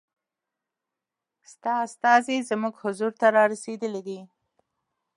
ستا استازی زموږ حضور ته را رسېدلی دی.